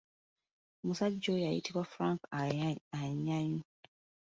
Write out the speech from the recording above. Omusajja oyo ayitibwa Frank Anyau.